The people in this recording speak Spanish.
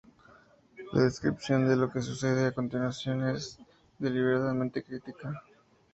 La descripción de lo que sucede a continuación es deliberadamente críptica.